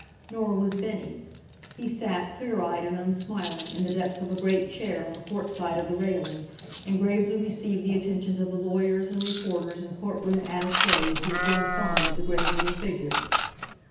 Nor was Bennie. He sat, clear eyed and unsmiling, in the depths of a great chair on the court side of the railing and gravely received the attentions of the lawyers, and reporters and court room attaches who had grown fond of the grave little figure.